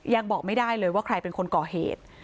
ยังบอกไม่ได้เลยว่าใครเป็นคนก่อเหตุ